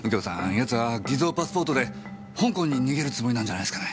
奴は偽造パスポートで香港に逃げるつもりなんじゃないすかね？